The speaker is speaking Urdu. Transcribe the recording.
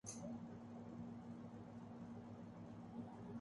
ایسے کسی قانون کا ذکر نہ تھا۔